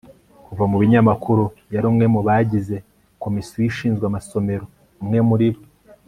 kuva mu binyamakuru; yari umwe mu bagize komisiyo ishinzwe amasomero, umwe muri bo